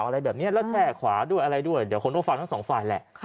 อะไรแบบนี้แล้วแช่ขวาด้วยอะไรด้วยเดี๋ยวคนก็ฟังทั้งสองฝ่ายแหละ